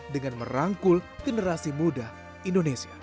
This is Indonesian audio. dengan merangkul generasi muda indonesia